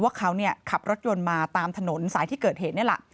ว่าเขาขับรถยนต์มาตามถนนสายที่เกิดเหตุนี่แหละ